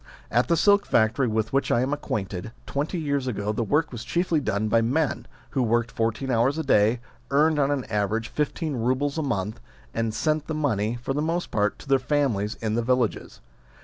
At the silk factory with which I am acquainted, twenty years ago the work was chiefly done by men, who worked fourteen hours a day, earned on an average fifteen roubles a month, and sent the money, for the most part, to their families in the villages.